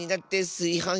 すいはん